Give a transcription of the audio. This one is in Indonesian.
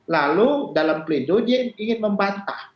lalu dalam pledoi dia ingin membatah